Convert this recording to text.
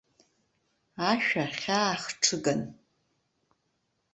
Ашәа хьаа хҽыган.